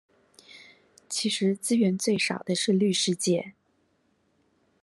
其實資源最少的是律師界